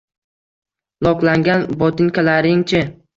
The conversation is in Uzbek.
Loklangan botinkalaring-chi